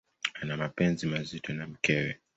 Ana mapenzi mazito na mkewe.